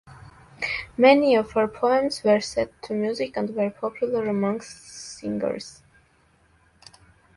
Many of her poems were set to music and were popular among singers.